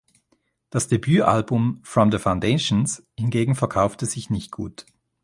Das Debütalbum "From The Foundations" hingegen verkaufte sich nicht gut.